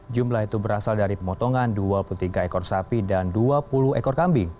jumlah itu berasal dari pemotongan dua puluh tiga ekor sapi dan dua puluh ekor kambing